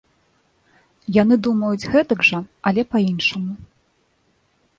Яны думаюць гэтак жа, але па-іншаму.